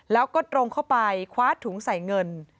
แล้วก็ตรงเข้าไปคว้าถุงใส่เงิน